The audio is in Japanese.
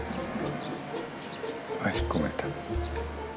あっ引っ込めた。